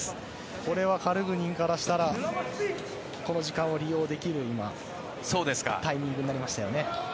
これはカルグニンからしたらこの時間を利用できるタイミングになりましたよね。